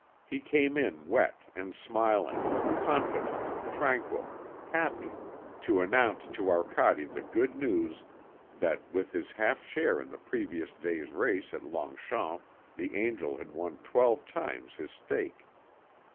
He came in wet and smiling, confident, tranquil, happy, to announce to Arcade the good news that with his half share in the previous day's race at Longchamps the angel had won twelve times his stake.